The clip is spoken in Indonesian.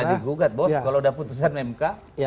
enggak bisa digugat bos kalau udah putusan mk